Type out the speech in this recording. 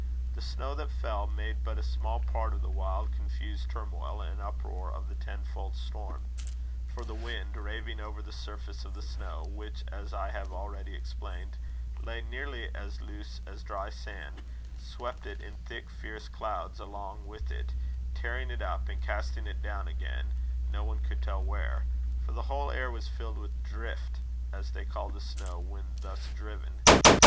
The snow that fell made but a small part of the wild, confused turmoil and uproar of the ten fold storm. For the wind, raving over the surface of the snow, which, as I have already explained, lay nearly as loose as dry sand, swept it in thick fierce clouds along with it, tearing it up and casting it down again no one could tell where for the whole air was filled with drift, as they call the snow when thus driven.